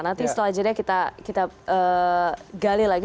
nanti setelah jeda kita gali lagi